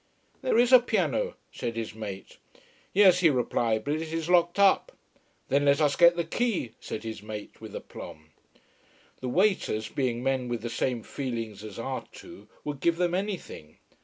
There is a piano, said his mate. Yes, he replied, but it is locked up. Then let us get the key, said his mate, with aplomb. The waiters, being men with the same feelings as our two, would give them anything.